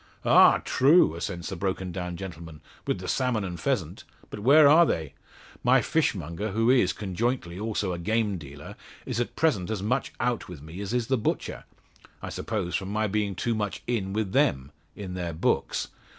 "Ah! true," assents the broken down gentleman, "with the salmon and pheasant. But where are they? My fishmonger, who is, conjointly also a game dealer, is at present as much out with me as is the butcher; I suppose, from my being too much in with them in their books.